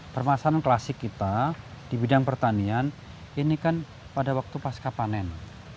permasalahan klasik kita di bidang pertanian ini kan pada waktu pasca panen